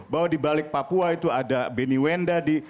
bahwa di balik papua itu ada benny wendadi